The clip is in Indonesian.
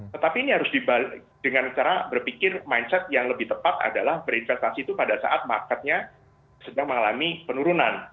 tetapi ini harus dengan cara berpikir mindset yang lebih tepat adalah berinvestasi itu pada saat marketnya sedang mengalami penurunan